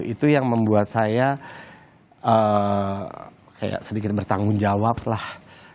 itu yang membuat saya sedikit bertanggung jawab lah